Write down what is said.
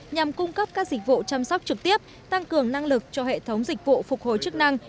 nhằm cung cấp các dịch vụ chăm sóc trực tiếp tăng cường năng lực cho hệ thống dịch vụ phục hồi chức năng